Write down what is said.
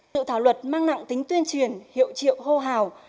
dự thảo luật mang nặng tính tuyên truyền hiệu triệu hô hào